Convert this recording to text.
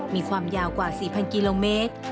มีความยาวกว่า๔๐๐กิโลเมตร